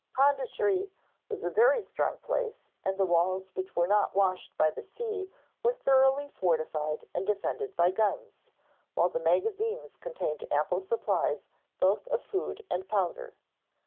Pondicherry was a very strong place and the walls which were not washed by the sea were thoroughly fortified and defended by guns, while the magazines contained ample supplies both of food and powder.